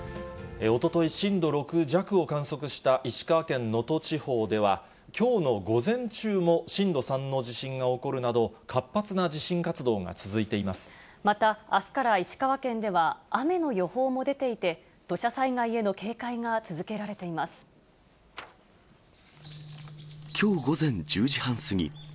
おととい、震度６弱を観測した石川県能登地方では、きょうの午前中も震度３の地震が起こるなど、活発な地震活動が続また、あすから石川県では雨の予報も出ていて、土砂災害への警戒が続けきょう午前１０時半過ぎ。